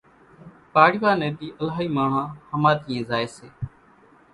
پاڙوا ني ۮي الائِي ماڻۿان ۿماۮِيئين زائي سي